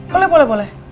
boleh boleh boleh